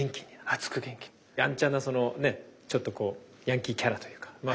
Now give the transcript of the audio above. やんちゃなそのねちょっとこうヤンキーキャラというかまあ